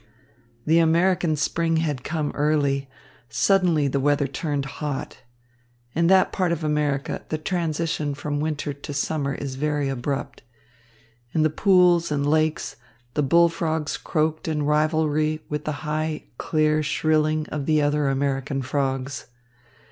The American spring had come early. Suddenly the weather turned hot. In that part of America the transition from winter to summer is very abrupt. In the pools and lakes, the bullfrogs croaked in rivalry with the high, clear shrilling of the other American frogs.